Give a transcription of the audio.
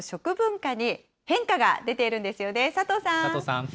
タイの食文化に変化が出ているんですよね。